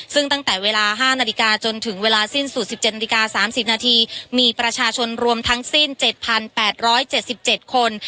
ซึ่งตั้งแต่เวลา๕นาฬิกาจนถึงเวลาสิ้นสุด๑๗นาฬิกา๓๐นาทีมีประชาชนรวมทั้งสิ้น๗๘๗๗คน